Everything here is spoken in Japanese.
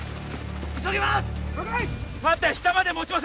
急ぎます！